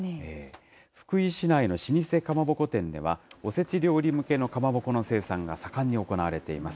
福井市内の老舗かまぼこ店では、おせち料理向けのかまぼこの生産が盛んに行われています。